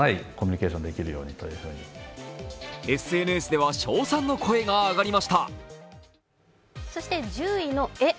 ＳＮＳでは称賛の声が上がりました１０位の、えっ？